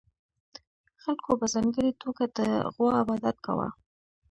خلکو په ځانګړې توګه د غوا عبادت کاوه